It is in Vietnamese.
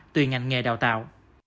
tuyên ngành nghề đào tạo